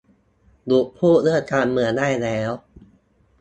"หยุดพูดเรื่องการเมืองได้แล้ว !"